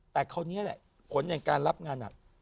แต่คราวนี้แหละผลในการรับงานหนัก